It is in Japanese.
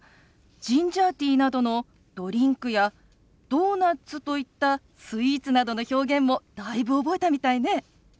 ジンジャーティーなどのドリンクやドーナツといったスイーツなどの表現もだいぶ覚えたみたいね。